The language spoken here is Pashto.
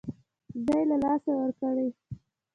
ځای له لاسه ورکړي.